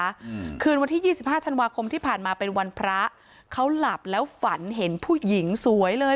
อืมคืนวันที่ยี่สิบห้าธันวาคมที่ผ่านมาเป็นวันพระเขาหลับแล้วฝันเห็นผู้หญิงสวยเลย